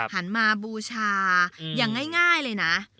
หันมาบูชาอย่างง่ายเลยนะ